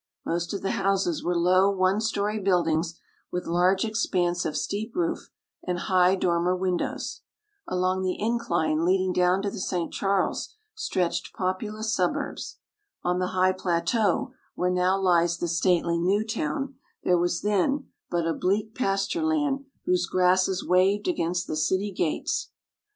Most of the houses were low, one story buildings, with large expanse of steep roof, and high dormer windows. Along the incline leading down to the St. Charles stretched populous suburbs. On the high plateau where now lies the stately New Town, there was then but a bleak pasture land whose grasses waved against the city gates.